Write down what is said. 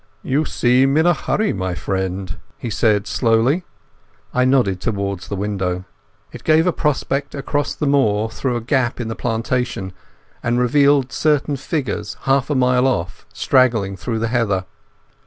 "You seem in a hurry, my friend," he said slowly. I nodded towards the window. It gave a prospect across the moor through a gap in the plantation, and revealed certain figures half a mile off straggling through the heather.